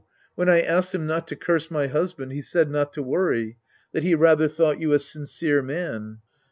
When I asked him not to curse my husband, he said not to worry, that he rather thought you a sincere man.